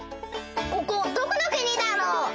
ここどこのくにだろう？